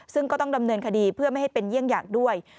ซึ่งก็ต้องดำเนินคดีเพื่อไม่ให้เป็นเยี่ยงอย่างด้วย